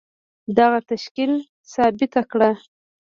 دغه تشکيل ثابته کړه.